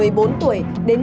đến đưa tài sản